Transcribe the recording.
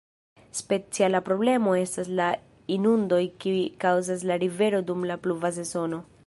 Speciala problemo estas la inundoj kiuj kaŭzas la rivero dum la pluva sezono.